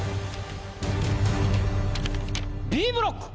Ｂブロック。